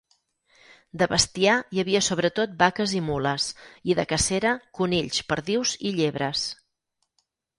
De bestiar, hi havia sobretot vaques i mules, i de cacera, conills, perdius i llebres.